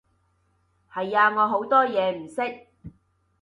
係啊，我好多嘢唔識